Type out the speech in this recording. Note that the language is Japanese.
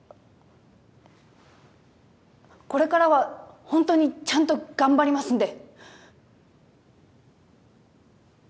これからはほんとにちゃんと頑張りますんで！